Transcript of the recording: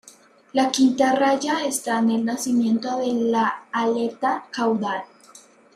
La quinta raya está en el nacimiento de la aleta caudal.